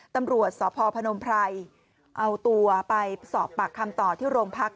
ตำรวจสพพนมไพรเอาตัวไปสอบปากคำต่อที่โรงพัก